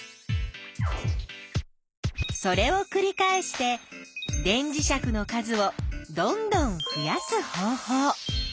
それをくり返して電磁石の数をどんどん増やす方法。